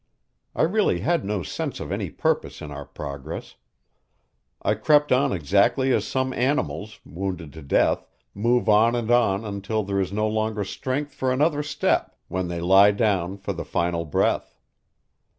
I really had no sense of any purpose in our progress; I crept on exactly as some animals, wounded to death, move on and on until there is no longer strength for another step, when they lie down for the final breath.